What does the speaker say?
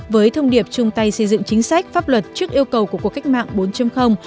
với thông điệp chung tay xây dựng chính sách pháp luật trước yêu cầu của cuộc cách mạng bốn